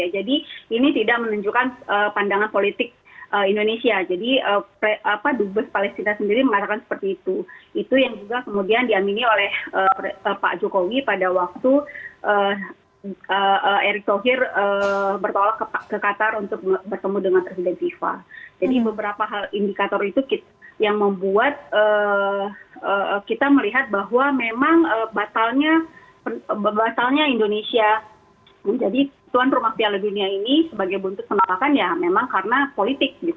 jadi tuan rumah piala dunia ini sebagai buntut penampakan ya memang karena politik